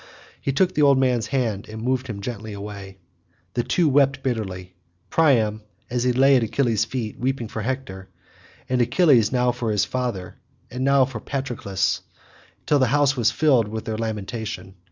He took the old man's hand and moved him gently away. The two wept bitterly—Priam, as he lay at Achilles' feet, weeping for Hector, and Achilles now for his father and now for Patroclus, till the house was filled with their lamentation.